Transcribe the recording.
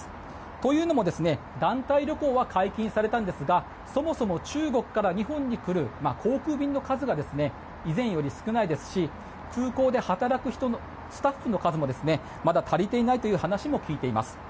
というのも団体旅行は解禁されたんですがそもそも中国から日本に来る航空便の数が以前より少ないですし空港で働くスタッフの数もまだ足りていないという話も聞いています。